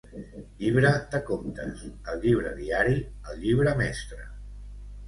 Llibre de comptes, el llibre diari, el llibre mestre.